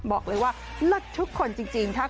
บอกเลยว่าเลิศทุกคนจริง